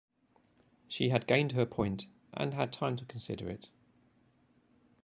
She had gained her point, and had time to consider it.